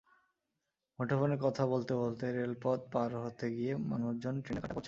মুঠোফোনে কথা বলতে বলতে রেলপথ পার হতে গিয়ে মানুষজন ট্রেনে কাটা পড়ছে।